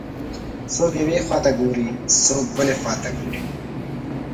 څوک یوې خواته ګوري، څوک بلې خواته ګوري.